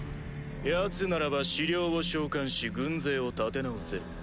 ヤツならば死霊を召喚し軍勢を立て直せる。